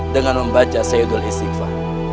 dengan membaca sayyidul isikfa